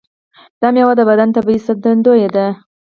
دا میوه د بدن طبیعي ساتندوی ده.